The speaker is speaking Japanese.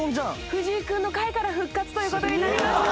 藤井君の回から復活という事になりました。